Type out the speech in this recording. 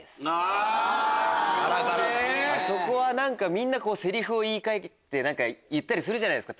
みんなセリフを言い換えて言ったりするじゃないですか。